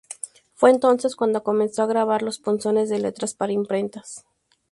Fue entonces cuando comenzó a grabar los punzones de letras para imprentas.